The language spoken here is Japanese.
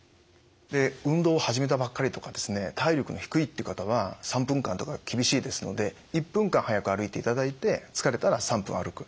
運動を始めたばっかりとか体力の低いって方は３分間とか厳しいですので１分間速く歩いていただいて疲れたら３分歩く。